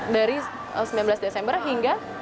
dari sembilan belas desember hingga